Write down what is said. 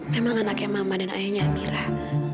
memang anaknya mama dan ayahnya mirah